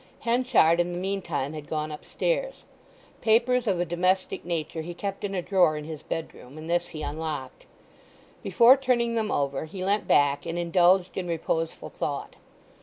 Henchard in the meantime had gone upstairs. Papers of a domestic nature he kept in a drawer in his bedroom, and this he unlocked. Before turning them over he leant back and indulged in reposeful thought.